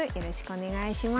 お願いします。